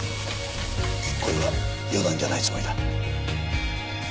これは予断じゃないつもりだ。